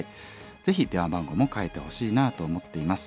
ぜひ電話番号も書いてほしいなと思っています。